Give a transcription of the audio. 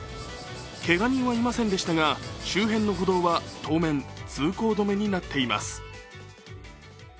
けが人はいませんでしたが周辺の歩道は当面、通行止めになっています。